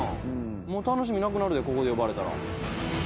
もう楽しみなくなるでここで呼ばれたら。